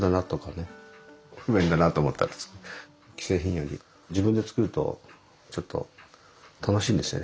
既製品より自分で作るとちょっと楽しいんですよね。